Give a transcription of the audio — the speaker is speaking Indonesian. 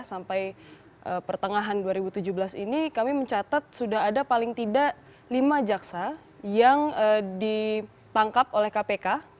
sampai pertengahan dua ribu tujuh belas ini kami mencatat sudah ada paling tidak lima jaksa yang ditangkap oleh kpk